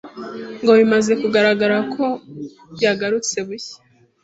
ngo bimaze kugaragara ko yagarutse bushya